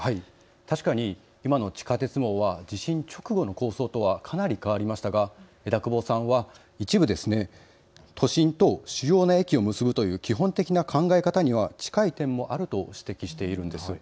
確かに今の地下鉄網は地震直後の構想とはかなり変わりましたが枝久保さんは一部、都心と主要の駅を結ぶという基本的な考え方には近い点もあると指摘しているんです。